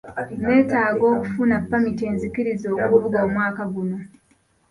Neetaaga okufuna ppamiti enzikiriza okuvuga omwaka guno.